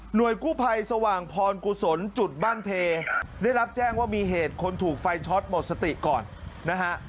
โดยกู้ภัยสว่างพรกุศลจุดบ้านเพได้รับแจ้งว่ามีเหตุคนถูกไฟช็อตหมดสติก่อนนะฮะ